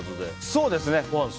そうですね。